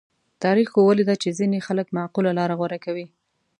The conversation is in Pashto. تاریخ ښوولې ده چې ځینې خلک معقوله لاره غوره کوي.